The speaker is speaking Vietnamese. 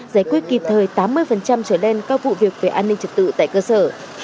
giải quyết kịp thời tám mươi trở nên các vụ việc về an ninh trực tự tại cơ sở